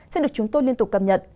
sẽ được chúng tôi liên tục cập nhật